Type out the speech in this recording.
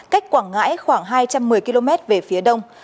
cách quảng ngãi khoảng hai trăm một mươi km về phía đông